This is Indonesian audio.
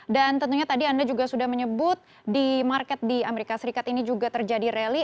dan tentunya tadi anda juga sudah menyebut di market di amerika serikat ini juga terjadi rally